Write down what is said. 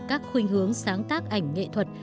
các khuyên hướng sáng tác ảnh nghệ thuật